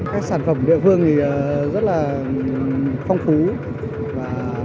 các sản phẩm địa phương thì rất là phong phú và đa dạng